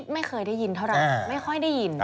ไม่เคยได้ยินเท่าไหร่ไม่ค่อยได้ยิน